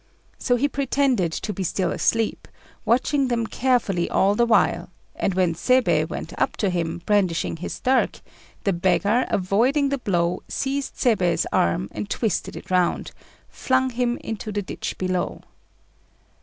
So he pretended to be still asleep, watching them carefully all the while; and when Seibei went up to him, brandishing his dirk, the beggar, avoiding the blow, seized Seibei's arm, and twisting it round, flung him into the ditch below.